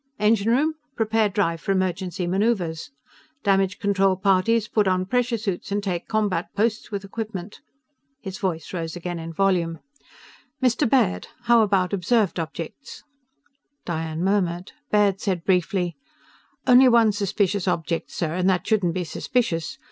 Engine room! Prepare drive for emergency maneuvers! Damage control parties, put on pressure suits and take combat posts with equipment!_" His voice rose again in volume. "Mr. Baird! How about observed objects?" Diane murmured. Baird said briefly: "Only one suspicious object, sir and that shouldn't be suspicious.